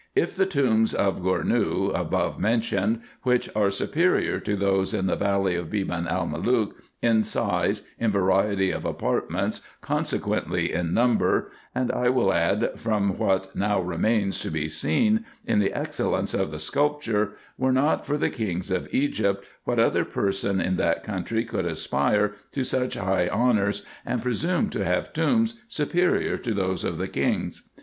If the tombs of Gournou above mentioned, which are superior to those in the valley of Beban el Malook in size, in variety of apartments, conse quently in number, and I will add, from what now remains to be seen, in the excellence of the sculpture, were not for the kings of Egypt, what other person in that country could aspire to such high honours, and presume to have tombs superior to those of the kings?